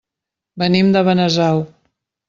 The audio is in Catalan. Venim de Benasau.